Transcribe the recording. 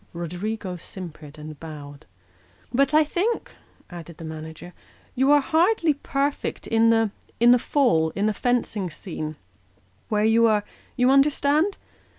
Roderigo simpered and bowed. " But I think," added the manager, " you are hardly perfect in the fall in the fencing scene, where you are you understand